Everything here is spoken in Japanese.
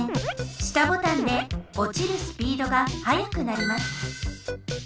下ボタンで落ちるスピードが速くなります。